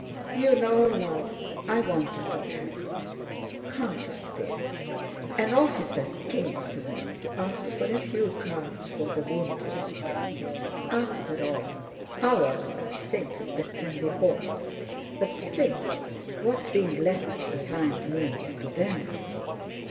"You know, love, I wanted to tell you... Countess dear... an officer came to me to ask for a few carts for the wounded. After all, ours are things that can be bought but think what being left behind means to them!...